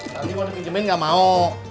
tadi gue ada pinjemin enggak mau